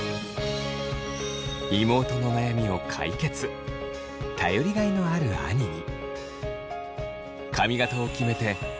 妹の悩みを解決頼りがいのある兄に。